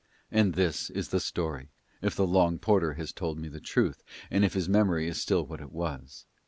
And this is the story, if the long porter has told me the truth and if his memory is still what it was.